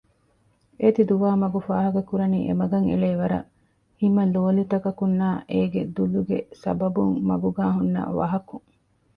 އޭތި ދުވާމަގު ފާހަކަކުރަނީ އެމަގަށް އެޅޭ ވަރަށް ހިމަލޯލިތަކަކުންނާ އޭގެ ދަލުގެ ސަބަބުން މަގުގައި ހުންނަ ވަހަކުން